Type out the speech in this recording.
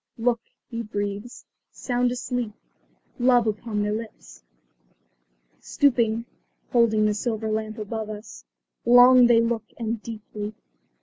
"Look," he breathes. "Sound asleep. Love upon their lips." Stooping, holding their silver lamp above us, long they look and deeply.